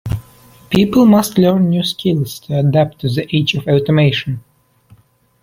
People must learn new skills to adapt to the age of automation.